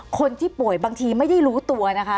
คนที่ป่วยบางทีไม่ได้รู้ตัวนะคะ